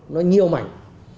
nó nhiêu mảnh